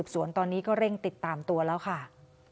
สวนตอนนี้ก็เร่งติดตามตัวแล้วค่ะ